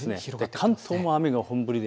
関東では雨が本降りで